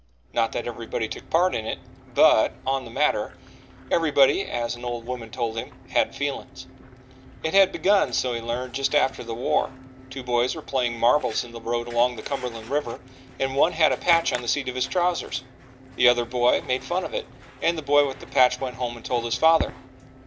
Not that everybody took part in it but, on the matter, everybody, as an old woman told him, "had feelin's." It had begun, so he learned, just after the war. Two boys were playing marbles in the road along the Cumberland River, and one had a patch on the seat of his trousers. The other boy made fun of it and the boy with the patch went home and told his father.